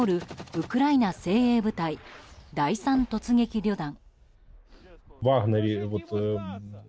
ウクライナ精鋭部隊第３突撃旅団。